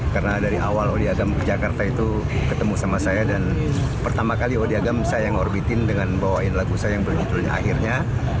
karena dari awal odi agam ke jakarta itu ketemu sama saya dan pertama kali odi agam saya mengorbitin dengan bawain lagu saya yang berjudulnya akhirnya